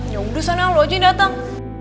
ya udah sana lo aja yang dateng